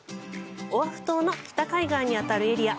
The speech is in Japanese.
オアフ島の北海岸に当たるエリア